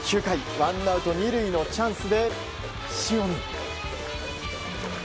ワンアウト２塁のチャンスで塩見。